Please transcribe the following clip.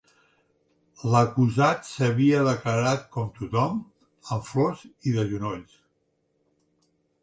L'acusat s'havia declarat com tothom, amb flors i de genolls.